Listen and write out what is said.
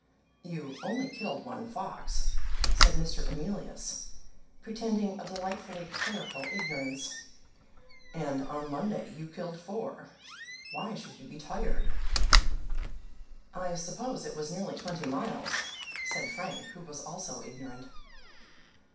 "You only killed one fox," said Mr. Emilius, pretending a delightfully clerical ignorance, "and on Monday you killed four. Why should you be tired?" "I suppose it was nearly twenty miles," said Frank, who was also ignorant.